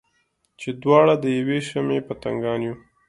چې دواړه د یوې شمعې پتنګان یو.